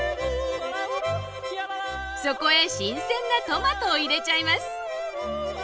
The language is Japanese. そこへ新鮮なトマトを入れちゃいます。